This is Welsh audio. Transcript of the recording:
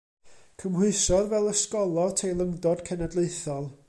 Cymhwysodd fel Ysgolor Teilyngdod Cenedlaethol.